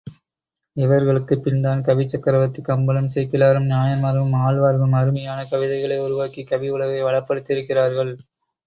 இவர்களுக்குப் பின்தான் கவிச்சக்ரவர்த்தி கம்பனும், சேக்கிழாரும், நாயன்மார்களும், ஆழ்வார்களும் அருமையான கவிதைகளை உருவாக்கி கவி உலகை வளப்படுத்தியிருக்கிறார்கள்.